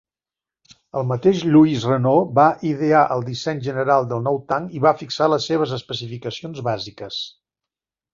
El mateix Louis Renault va idear el disseny general del nou tanc i va fixar les seves especificacions bàsiques.